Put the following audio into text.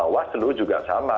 wah seluruh juga sama